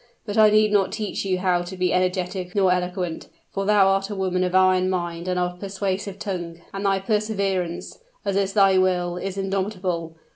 But I need not teach you how to be energetic nor eloquent. For thou art a woman of iron mind and of persuasive tongue; and thy perseverance, as is thy will, is indomitable.